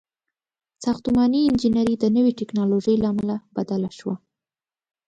• ساختماني انجینري د نوې ټیکنالوژۍ له امله بدله شوه.